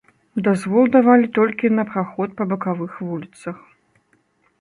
Дазвол давалі толькі на праход па бакавых вуліцах.